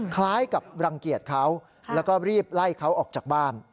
คล้ายกับรังเกียจเขาแล้วก็รีบไล่เขาออกจากบ้าน